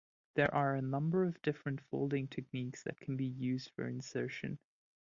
There are a number of different folding techniques that can be used for insertion.